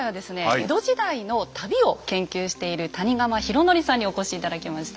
江戸時代の旅を研究している谷釜尋徳さんにお越し頂きました。